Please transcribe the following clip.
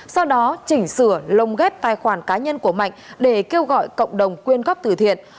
sau đó chỉnh sửa lồng ghép tài khoản cá nhân của mạnh để kêu gọi cộng đồng quyên góp từ thiện